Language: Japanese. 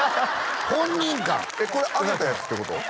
これあげたやつってこと？